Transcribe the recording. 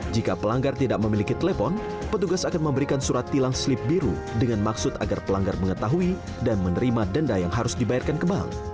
jika pelanggar tidak memiliki telepon petugas akan memberikan surat tilang slip biru dengan maksud agar pelanggar mengetahui dan menerima denda yang harus dibayarkan ke bank